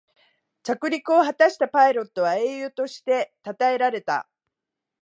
着陸を果たしたパイロットは英雄としてたたえられた